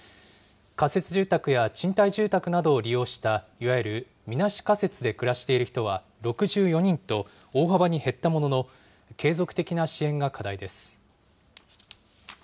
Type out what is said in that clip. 仮設住宅や賃貸住宅などを利用した、いわゆるみなし仮設で暮らしている人は６４人と、大幅に減ったものの、継続的な支援が課題です。